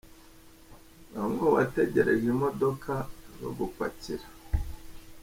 Bamwe mu bategereje imodoka zo gupakira.